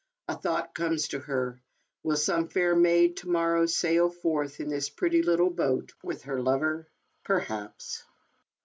A thought comes to her: will some fair maid to morrow sail forth, in this pretty lit tle boat, with her lover ? Perhaps.